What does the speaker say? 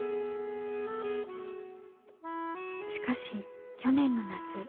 しかし去年の夏。